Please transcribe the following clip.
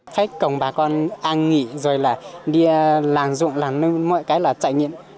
khách cổng bà con an nghị rồi là đi làng dụng làng nưu mọi cái là trải nghiệm